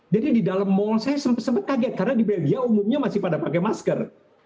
jadi di dalam mall saya sempat kaget karena di belgia umumnya masih pada pakai masker